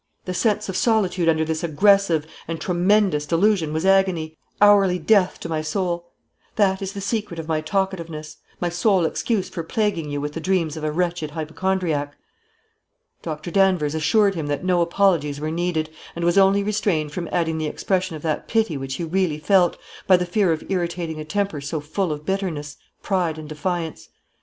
The sense of solitude under this aggressive and tremendous delusion was agony, hourly death to my soul. That is the secret of my talkativeness; my sole excuse for plaguing you with the dreams of a wretched hypochondriac." Doctor Danvers assured him that no apologies were needed, and was only restrained from adding the expression of that pity which he really felt, by the fear of irritating a temper so full of bitterness, pride and defiance.